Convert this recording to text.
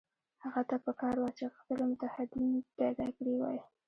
هغه ته په کار وه چې غښتلي متحدین پیدا کړي وای.